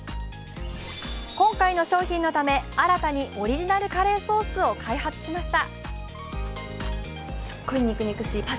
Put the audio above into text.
今回の商品のため、新たにオリジナルカレーソースを開発しました。